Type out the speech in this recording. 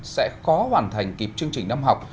sẽ khó hoàn thành kịp chương trình năm học